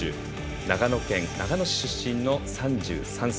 長野県長野市出身の３３歳。